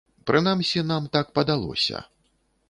Прынамсі, нам так падалося.